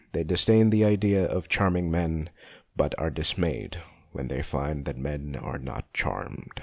They disdain the idea of charming men, but are dismayed when they find that men are not charmed.